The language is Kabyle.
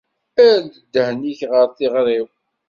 Err-d ddehn-ik ɣer tiɣri-w.